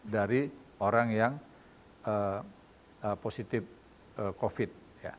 dari orang yang positif covid sembilan belas